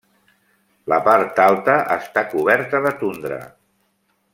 La part alta està coberta de tundra.